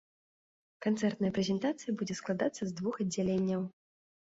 Канцэртная прэзентацыя будзе складацца з двух аддзяленняў.